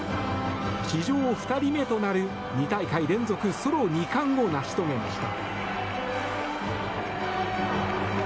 史上２人目となる、２大会連続ソロ２冠を成し遂げました。